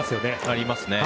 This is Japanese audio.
ありますね。